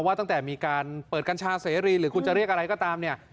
ว่าตั้งแต่มีการเปิดกัญชาเสรีหรือคุณจะเรียกอะไรก็ตามเนี่ย